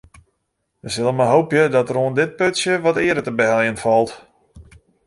We sille mar hoopje dat der oan dit putsje wat eare te beheljen falt.